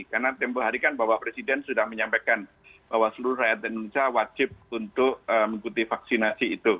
karena tempoh hari kan bapak presiden sudah menyampaikan bahwa seluruh rakyat indonesia wajib untuk mengikuti vaksinasi itu